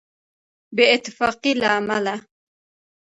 بې اتفاقۍ له امله.